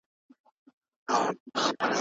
ولي بيي لوړېږي؟